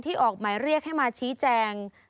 ที่ออกมาเรียกให้มาชี้แจง